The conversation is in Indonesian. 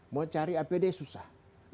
mau cari apd susah